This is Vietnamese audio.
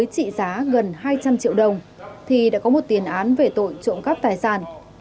trị giá gần hai trăm linh triệu đồng thì đã có một tiền án về tội trộm cắp tài sản